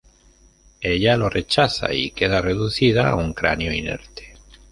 Ella lo rechaza y queda reducida a un cráneo inerte.